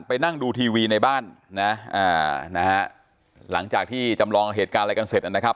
นั่งดูทีวีในบ้านนะอ่านะฮะหลังจากที่จำลองเหตุการณ์อะไรกันเสร็จนะครับ